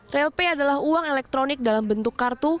relp adalah uang elektronik dalam bentuk kartu